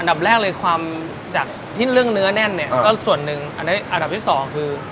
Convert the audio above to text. ดับแรกเลยความดักที่เรื่องเนื้อแน่นเนี่ยก็ส่วนหนึ่งอันนี้อันดับที่สองคือ